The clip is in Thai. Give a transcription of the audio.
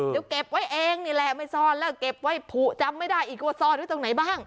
เดี๋ยวเก็บไว้เองนี่แหละไม่ซ่อนแล้วเก็บไว้ผูจำไม่ได้อีกว่าซ่อนไว้ตรงไหนบ้าง